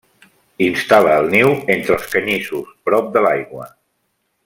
Instal·la el niu entre els canyissos, prop de l'aigua.